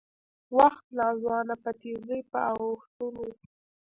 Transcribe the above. وخت ناځوانه په تېزۍ په اوښتون و